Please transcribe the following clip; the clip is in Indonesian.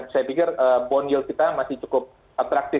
saya pikir bond yield kita masih cukup atraktif